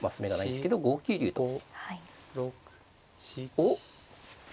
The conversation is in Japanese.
おっ。